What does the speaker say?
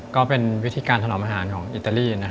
ก็เป็นวิธีการทำอาหารของอิตาลีนะครับ